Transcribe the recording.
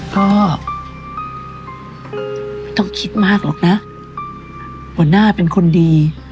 พ่อไม่ต้องคิดมากหรอกนะบอร์น่าเป็นคนดี